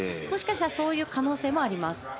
もしかしたらそういう可能性もあります。